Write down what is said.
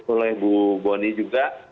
oleh bu boni juga